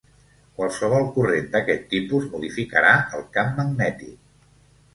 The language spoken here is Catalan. Qualsevol corrent d'aquest tipus modificarà el camp magnètic.